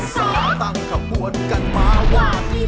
อย่าปล่อยให้เธอลอยนวล